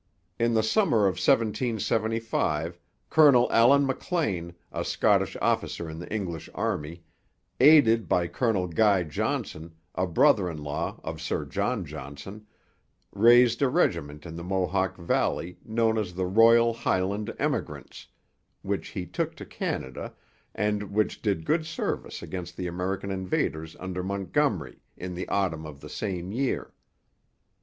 In the summer of 1775 Colonel Allan Maclean, a Scottish officer in the English army, aided by Colonel Guy Johnson, a brother in law of Sir John Johnson, raised a regiment in the Mohawk valley known as the Royal Highland Emigrants, which he took to Canada, and which did good service against the American invaders under Montgomery in the autumn of the same year.